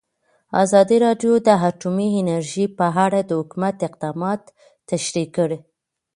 ازادي راډیو د اټومي انرژي په اړه د حکومت اقدامات تشریح کړي.